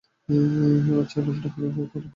আচ্ছা, নামটা নাহয় খাটো হল, রূপটা?